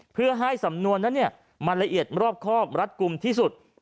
เพื่อให้สำนวนนั้นมันละเอียดรอบครอบรัดกลุ่มที่สุด